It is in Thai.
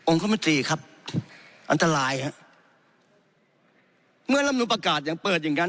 คมนตรีครับอันตรายฮะเมื่อลำนุนประกาศยังเปิดอย่างงั้น